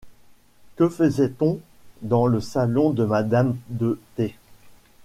Que faisait-on dans le salon de madame de T. ?